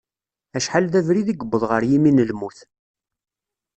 Acḥal d abrid i yewweḍ ɣer yimi n lmut.